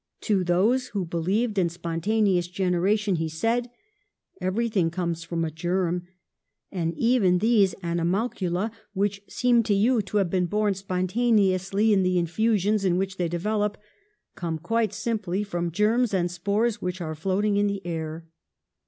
To those who believed in spontaneous generation he said, "Everything comes from a germ, and even these animalcula, which seem to you to have been born spontane ously in the infusions in which they develop, come quite simply from germs and spores which are floating in the air.